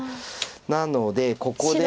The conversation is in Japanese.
なのでここで。